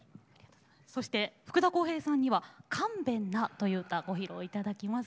そして福田こうへいさんには「かんべんナ」という歌ご披露いただきます。